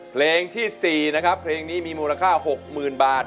เพลงที่๔นะครับเพลงนี้มีมูลค่า๖๐๐๐บาท